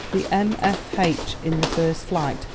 "The M. F. H.? In the first flight.